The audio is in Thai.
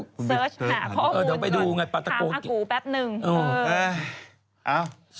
เซิร์ชหาพอคุณถามฮากูแป๊บนึงเดี๋ยวก็เออจะไปดวงไม่รู้